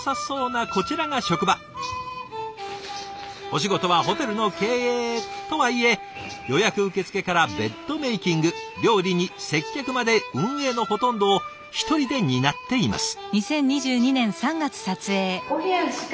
お仕事はホテルの経営とはいえ予約受け付けからベッドメイキング料理に接客まで運営のほとんどを１人で担っています。